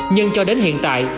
nhưng cho đến hiện tại